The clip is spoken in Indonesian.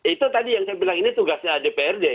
itu tadi yang saya bilang ini tugasnya dprd